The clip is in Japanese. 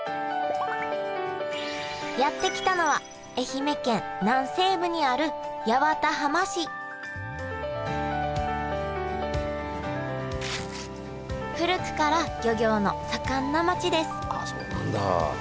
やって来たのは愛媛県南西部にある八幡浜市古くから漁業の盛んな町ですあそうなんだ！